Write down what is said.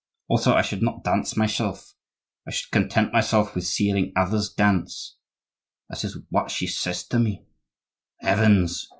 Also I should not dance myself, I should content myself with seeing others dance.'—that is what she says to me—" "Heavens!"